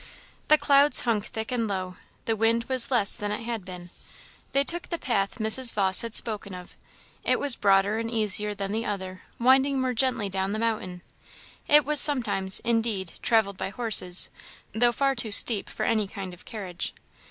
The clouds hung thick and low; the wind was less than it had been. They took the path Mrs. Vawse had spoken of; it was broader and easier than the other, winding more gently down the mountain; it was sometimes, indeed, travelled by horses, though far too steep for any kind of carriage.